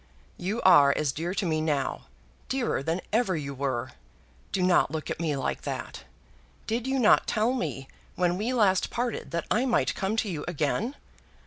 "You are as dear to me now, dearer than ever you were. Do not look at me like that. Did you not tell me when we last parted that I might come to you again?